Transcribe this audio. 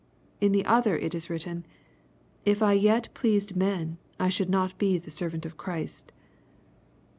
In the other it is written, "If I yet pleased men, I should not be the servant of Christ."